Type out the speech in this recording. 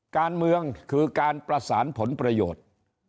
การเมืองคือการประสานผลประโยชน์